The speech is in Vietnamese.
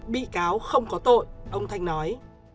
bị cáo không có tội ông thanh nói